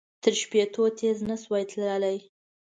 تر شپېتو تېز نه شول تللای.